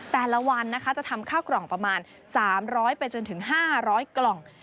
แต่ละวันจะทำข้าวกล่องประมาณ๓๐๐๕๐๐กล่อง